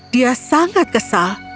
dia sangat kesal